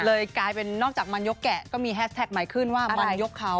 เลยกลายเป็นนอกจากมันยกแกะก็มีแฮชแท็กใหม่ขึ้นว่ามันยกเขา